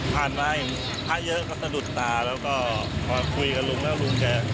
ผ่านมาเห็นพระเยอะก็สะดุดตาแล้วก็พอคุยกับลุงแล้วลุงแก